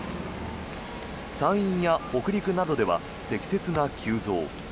山陰や北陸などでは積雪が急増。